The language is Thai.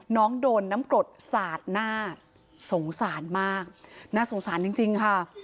น้องโดนน้ำกรดสาดหน้าสงสารมากน่าสงสารจริงค่ะ